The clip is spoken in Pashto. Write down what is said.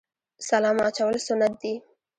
سلام اچول سنت دي